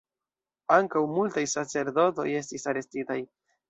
Ankaŭ multaj sacerdotoj estis arestitaj.